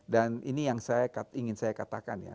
dan ini yang ingin saya katakan ya